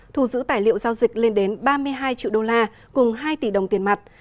thu giữ tài liệu giao dịch lên đến ba mươi hai triệu đô la cùng hai tỷ đồng tiền mặt